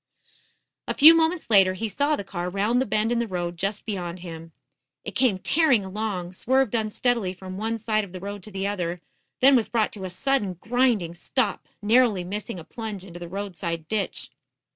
A few moments later he saw the car round the bend in the road just beyoud him. It came tearing along, swerved unsteadily from one side of the road to the other, then was brought to a sudden, grinding stop, narrowly missing a plunge into the roadside ditch.